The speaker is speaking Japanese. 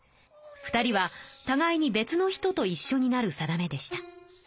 ２人はたがいに別の人といっしょになる定めでした。